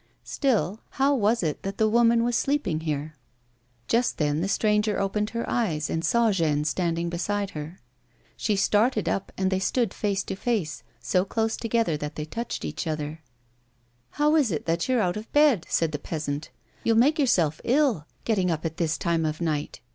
Still how was it that the woman was sleeping here 1 Just then the stranger opened her eyes and saw Jeanne standing beside her. She started up, and they stood face to face, so close together that they touched each other " How is it that you're out of bed'? " said the peasant; "you'll make yourself ill, getting up at this time of night.